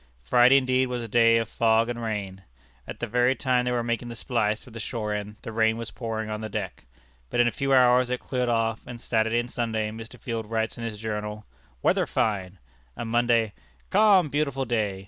Friday, indeed, was a day of fog and rain. At the very time they were making the splice with the shore end, the rain was pouring on the deck. But in a few hours it cleared off, and Saturday and Sunday, Mr. Field writes in his journal, "Weather fine;" and Monday, "Calm, beautiful day.